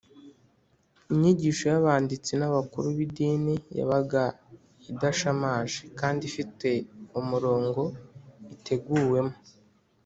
inyigisho y’abanditsi n’abakuru b’idini yabaga idashamaje kandi ifite umurongo iteguwemo